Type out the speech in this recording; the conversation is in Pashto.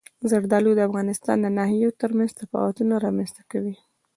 زردالو د افغانستان د ناحیو ترمنځ تفاوتونه رامنځ ته کوي.